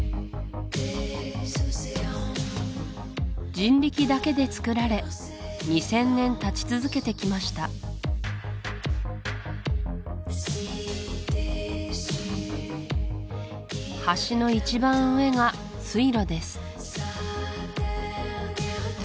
人力だけで造られ２０００年たち続けてきました橋の一番上が水路です